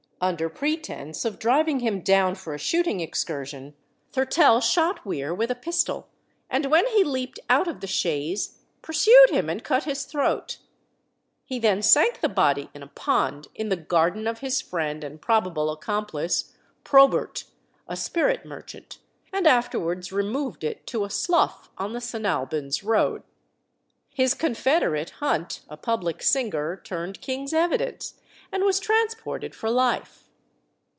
Under pretence of driving him down for a shooting excursion, Thurtell shot Weare with a pistol, and when he leaped out of the chaise, pursued him and cut his throat. He then sank the body in a pond in the garden of his friend and probable accomplice, Probert, a spirit merchant, and afterwards removed it to a slough on the St. Alban's road. His confederate, Hunt, a public singer, turned king's evidence, and was transported for life.